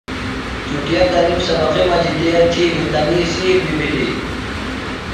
چُٹِیا تنِم سبقی مجیۡ تیر تِھیلیۡ۔ تنی سِیل بیۡ بِھلیۡ۔